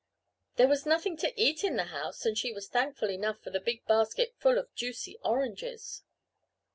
There was nothing to eat in the house and she was thankful enough for the big basket full of juicy oranges.